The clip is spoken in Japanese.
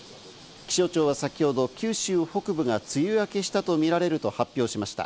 気象庁は先ほど九州北部が梅雨明けしたとみられると発表しました。